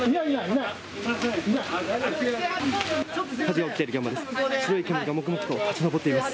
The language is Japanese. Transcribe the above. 火事が起きている現場です。